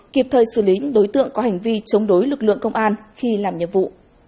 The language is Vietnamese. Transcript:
kịp thời xử lý những đối tượng có hành vi chống đối lực lượng công an khi làm nhiệm vụ